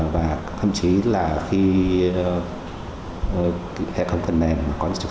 và thậm chí là khi hệ thống phần mềm có trực trạng